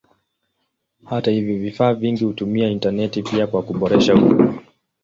Hata hivyo vifaa vingi hutumia intaneti pia kwa kuboresha huduma.